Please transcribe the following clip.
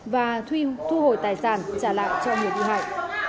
và thu hồi tài sản trả lại cho người bị hại